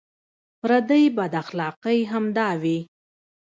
پردۍ بداخلاقۍ همدا وې.